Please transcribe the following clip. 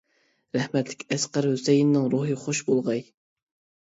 رەھمەتلىك ئەسقەر ھۈسەيىننىڭ روھى خۇش بولغاي!